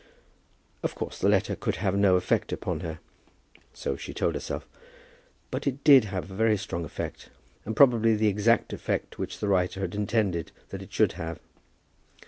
Of course the letter could have no effect upon her. So she told herself. But it did have a very strong effect, and probably the exact effect which the writer had intended that it should have.